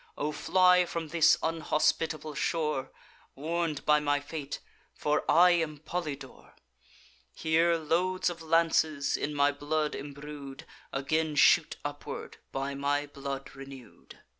O fly from this unhospitable shore, Warn'd by my fate; for I am Polydore! Here loads of lances, in my blood embrued, Again shoot upward, by my blood renew'd.